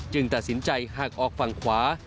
ตัดสินใจหากออกฝั่งขวา